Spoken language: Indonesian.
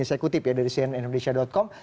bisa kutip ya dari cnnindonesia com